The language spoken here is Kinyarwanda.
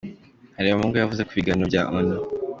Harebamungu yavuze ko ibiganiro bya Hon.